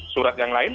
surat yang lain